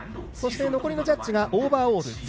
そして、残りのジャッジがオーバーオール。